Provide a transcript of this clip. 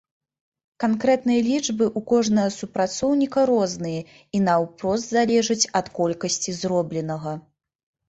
Канкрэтныя лічбы ў кожнага супрацоўніка розныя і наўпрост залежаць ад колькасці зробленага.